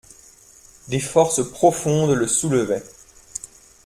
Des forces profondes le soulevaient.